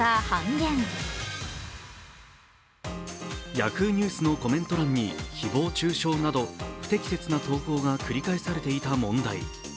Ｙａｈｏｏ！ニュースのコメント欄に誹謗中傷など不適切な投稿が繰り返されていた問題。